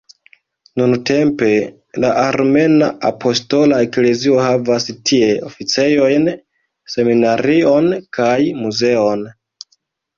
Nuntempe, la Armena Apostola Eklezio havas tie oficejojn, seminarion kaj muzeon.